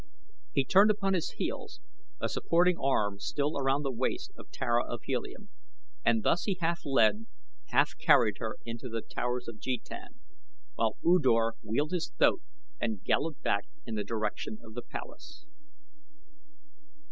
He turned upon his heel, a supporting arm still around the waist of Tara of Helium and thus he half led, half carried her into The Towers of Jetan, while U Dor wheeled his thoat and galloped back in the direction of the palace.